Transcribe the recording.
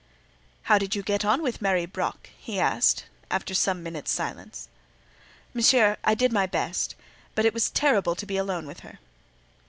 "How did you get on with Marie Broc?" he asked, after some minutes' silence. "Monsieur, I did my best; but it was terrible to be alone with her!"